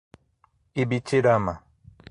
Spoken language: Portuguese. Ibitirama